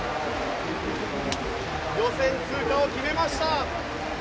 予選通過を決めました！